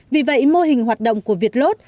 vì vậy mô hình hoạt động của việt lốt